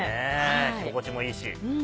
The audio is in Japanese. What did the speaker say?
着心地もいいし。